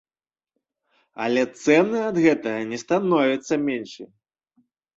Але цэны ад гэтага не становяцца меншымі.